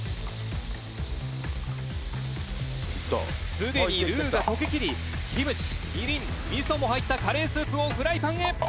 「すでにルーが溶けきりキムチみりん味噌も入ったカレースープをフライパンへ」